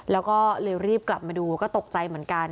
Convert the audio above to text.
แล้วก็เลยรีบกลับมาดูก็ตกใจเหมือนกัน